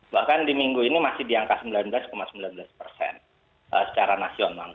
bahkan di minggu ini masih di angka sembilan belas sembilan belas persen secara nasional